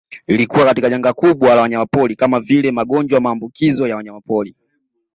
Ilikuwa katika janga kubwa la wanyamapori kama vile magonjwa maambukizo ya wanyamapori